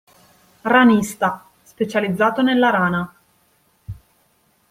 Ranista: Specializzato nella rana.